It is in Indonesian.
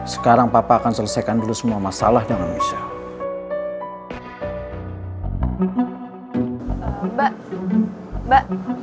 sekarang papa akan selesaikan dulu semua masalah dengan michelle